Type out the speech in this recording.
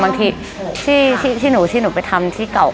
บางทีที่หนูไปทำที่เก่า